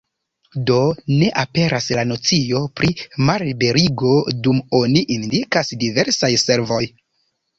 Do, ne aperas la nocio pri malliberigo, dum oni indikas "diversaj servoj".